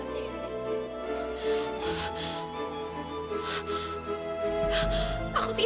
aku tuh yakin tadi tuh emang antoni